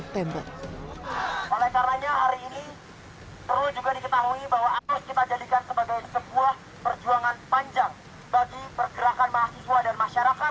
kita menjadikan sebagai sebuah perjuangan panjang bagi pergerakan mahasiswa dan masyarakat